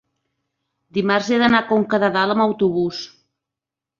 dimarts he d'anar a Conca de Dalt amb autobús.